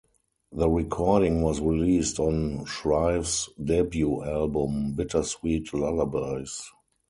The recording was released on Shrieve's debut album "Bittersweet Lullabies".